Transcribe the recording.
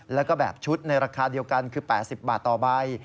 แล้วก็แบบชุดในราคาเดียวกันคือ๘๐บาทต่อใบ